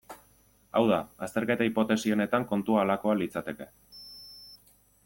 Hau da, azterketa hipotesi honetan kontua halakoa litzateke.